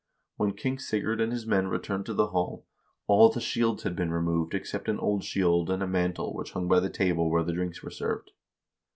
When King Sigurd and his men returned to the hall, all the shields had been removed except an old shield and a mantle which hung by the table where the drinks were served.